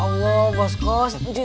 saya mau kasih